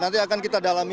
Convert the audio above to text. ya nanti akan kita dalami